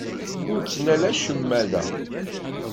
Ur ttnal acemma da.